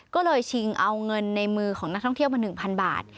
ก็เลยชิงเอาเงินในมือของนักท่องเที่ยวมา๑๐๐บาท